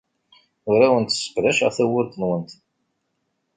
Ur awent-sseqdaceɣ tawwurt-nwent.